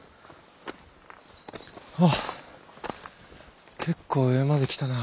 はあ結構上まで来たな。